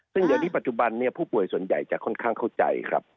ซึ่งเดี๋ยวนี้ปัจจุบันนี้ผู้ป่วยส่วนใหญ่จะค่อนข้างเข้าใจครับ